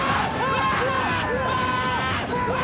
・うわ！